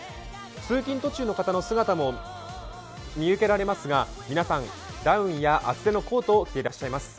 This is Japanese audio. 通勤途中の方の姿も見受けられますが皆さん、ダウンや厚手のコートを着ています。